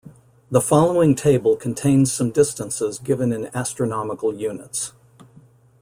The following table contains some distances given in astronomical units.